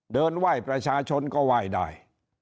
เดินไหว้ประชาชนก็ไหว้ได้